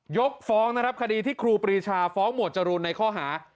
ยกฟ้องนะครับคดีที่ครูปรีชาฟ้องหมวดจรูนในข้อหา